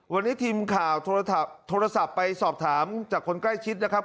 วันนี้ทีมข่าวโทรศัพท์ไปสอบถามจากคนใกล้ชิดนะครับ